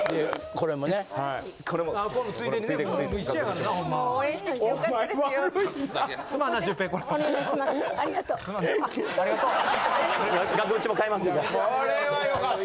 これはよかった。